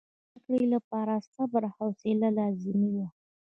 د زده کړې لپاره صبر او حوصله لازمي وه.